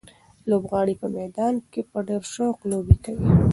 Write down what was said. لوبغاړي په میدان کې په ډېر شوق لوبې کوي.